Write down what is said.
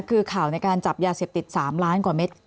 คือข่าวในการจับยาเสพติด๓ล้านกว่าเม็ด